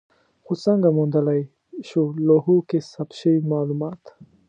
خو څنګه موندلای شو لوحو کې ثبت شوي مالومات؟